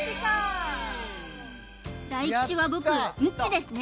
大吉は僕ンッチですね